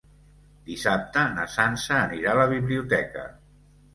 Dissabte na Sança anirà a la biblioteca.